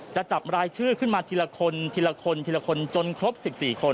จะจับรายชื่อขึ้นมาทีละคนจนครบ๑๔คน